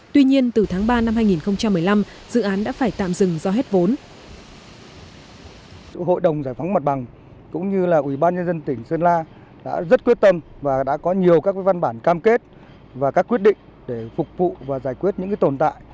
tuy nhiên từ tháng ba năm hai nghìn một mươi năm dự án đã phải tạm dừng do hết vốn